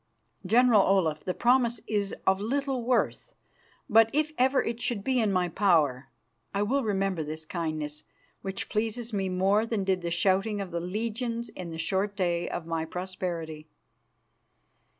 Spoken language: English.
General Olaf, the promise is of little worth, but, if ever it should be in my power, I will remember this kindness, which pleases me more than did the shouting of the legions in the short day of my prosperity."